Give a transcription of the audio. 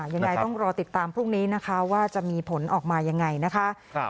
ยังไงต้องรอติดตามพรุ่งนี้นะคะว่าจะมีผลออกมายังไงนะคะ